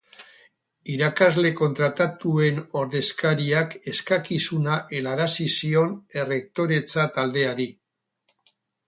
Irakasle kontratatuen ordezkariak eskakizuna helarazi zion errektoretza taldeari